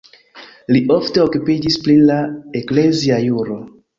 Li ofte okupiĝis pri la eklezia juro.